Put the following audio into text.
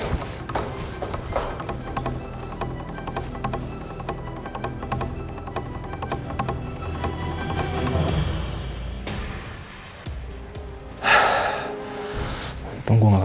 satu nih ternyata